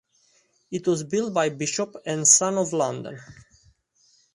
It was built by Bishop and Son of London.